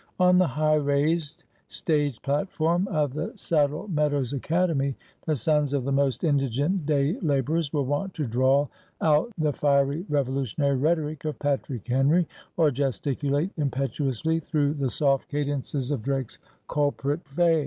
On the high raised, stage platform of the Saddle Meadows Academy, the sons of the most indigent day laborers were wont to drawl out the fiery revolutionary rhetoric of Patrick Henry, or gesticulate impetuously through the soft cadences of Drake's "Culprit Fay."